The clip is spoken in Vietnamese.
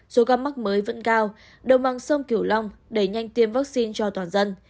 số ca mắc mới vẫn cao đồng bằng sông kiểu long đẩy nhanh tiêm vaccine cho toàn dân